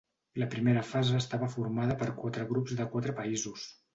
La primera fase estava formada per quatre grups de quatre països.